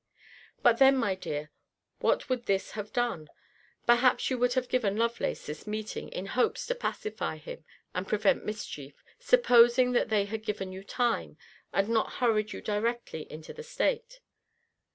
But then, my dear, what would this have done? Perhaps you would have given Lovelace this meeting, in hopes to pacify him, and prevent mischief; supposing that they had given you time, and not hurried you directly into the state.